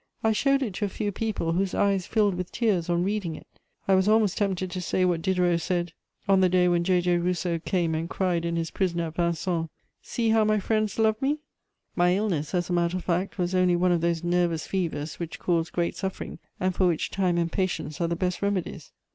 I showed it to a few people, whose eyes filled with tears on reading it. I was almost tempted to say what Diderot said on the day when J. J. Rousseau came and cried in his prison at Vincennes: "'See how my friends love me.' "My illness, as a matter of fact, was only one of those nervous fevers which cause great suffering, and for which time and patience are the best remedies.